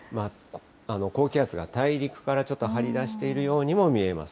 高気圧が大陸からちょっと張り出しているようにも見えます。